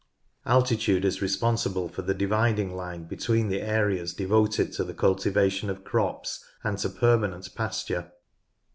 Altitude is responsible for the dividing line between the areas devoted to the cultivation of crops and to permanent pasture.